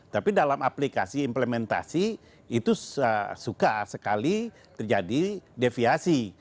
tapi dalam aplikasi implementasi itu suka sekali terjadi deviasi